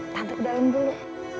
tante ke dalam dulu